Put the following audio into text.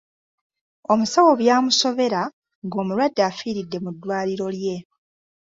Omusawo byamusobera ng'omulwadde afiiridde mu ddwaliro lye.